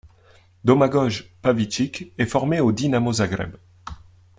Domagoj Pavičić est formé au Dinamo Zagreb.